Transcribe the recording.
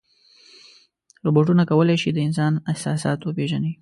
روبوټونه کولی شي د انسان احساسات وپېژني.